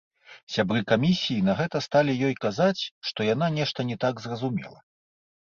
Сябры камісіі на гэта сталі ёй казаць, што яна нешта не так зразумела.